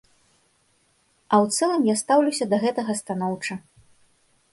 А ў цэлым я стаўлюся да гэтага станоўча.